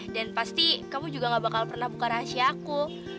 dan pasti kamu juga gak bakal pernah buka rahasia aku